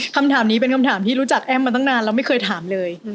คำถามนี้เป็นคำถามที่รู้จักแอ้มมาตั้งนานแล้วไม่เคยถามเลย